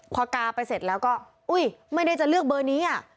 พอกาไปเสร็จแล้วก็อุ้ยไม่ได้จะเลือกเบอร์นี้อ่ะ